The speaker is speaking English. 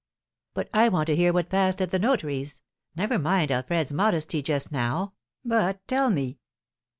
"But I want to hear what passed at the notary's. Never mind Alfred's modesty just now, but tell me."